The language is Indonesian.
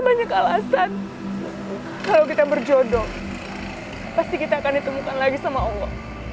akan ditemukan lagi sama allah dan semoga bang alif bahagia semua